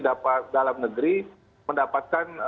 dalam negeri mendapatkan